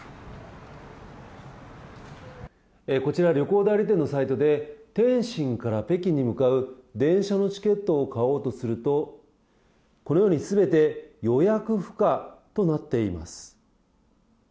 こちら、旅行代理店のサイトで、天津から北京に向かう電車のチケットを買おうとすると、このようにすべて予約不可となっています。